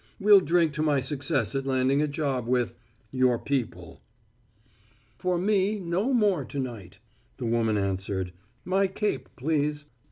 We'll drink to my success at landing a job with your people." "For me no more to night," the woman answered. "My cape, please."